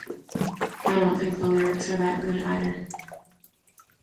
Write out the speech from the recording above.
I don't think the lyrics are that good either.